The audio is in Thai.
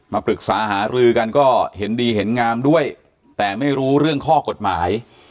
ปรึกษาหารือกันก็เห็นดีเห็นงามด้วยแต่ไม่รู้เรื่องข้อกฎหมาย